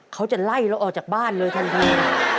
เขาจะไล่เราออกจากบ้านเลยทันที